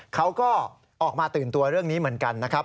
เขาก็ออกมาตื่นตัวเรื่องนี้เหมือนกันนะครับ